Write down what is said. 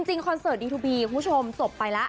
จริงคอนเสิร์ตลินที่๒มีคุณผู้ชมสมมัยละ